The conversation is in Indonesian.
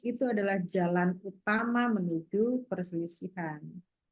itu adalah jalan utama menuju perselisihan